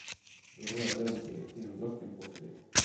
Då rörde de tre stenblocken på sig.